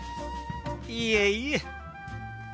いえいえ。